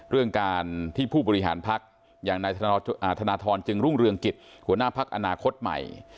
เรื่องการที่ผู้บริหารพักอย่างนายธนทรจึงรุ่งเรืองกิจหัวหน้าพักอนาคตใหม่